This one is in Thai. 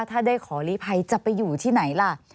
ถ้าได้ขอลีภัยจะไปอยู่ที่ไหนล่ะ